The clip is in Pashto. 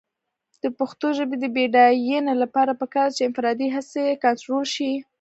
د پښتو ژبې د بډاینې لپاره پکار ده چې انفرادي هڅې کنټرول شي.